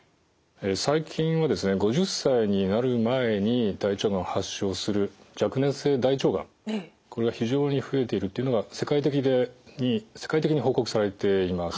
最近は５０歳になる前に大腸がんを発症する若年性大腸がんこれが非常に増えているというのが世界的に報告されています。